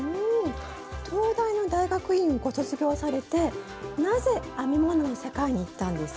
東大の大学院をご卒業されてなぜ編み物の世界にいったんですか？